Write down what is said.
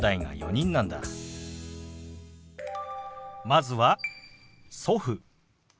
まずは「祖父」。